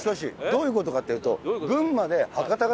どういう事かっていうと。